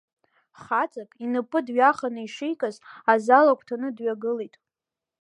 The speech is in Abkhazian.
Хаҵак, инапы дҩаханы ишикыз, азал агәҭаны дҩагылеит.